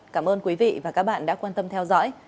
cảm ơn quý vị và các bạn đã quan tâm theo dõi